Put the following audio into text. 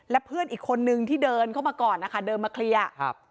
และเพื่อนอีกคนนึงที่เดินเข้ามาก่อนนะคะเดินมาเคลียร์ครับ